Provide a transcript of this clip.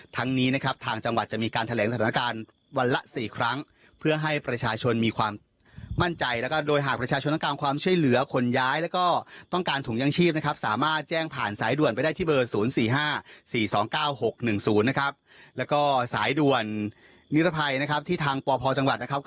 ทั้งนี้นะครับทางจังหวัดจะมีการแถลงสถานการณ์วันละ๔ครั้งเพื่อให้ประชาชนมีความมั่นใจแล้วก็โดยหากประชาชนต้องการความช่วยเหลือคนย้ายแล้วก็ต้องการถุงยังชีพนะครับสามารถแจ้งผ่านสายด่วนไปได้ที่เบอร์๐๔๕๔๒๙๖๑๐นะครับแล้วก็สายด่วนนิรภัยนะครับที่ทางปพจังหวัดนะครับ